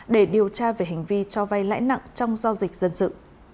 để điều tra về hành vi cho vay lãi nặng trong giao dịch dân sự